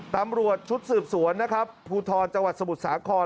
ตำรวจชุดสืบสวนนะครับภูทรจังหวัดสมุทรสาคร